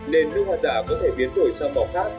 nên nước hoa giả có thể biến đổi sang màu khác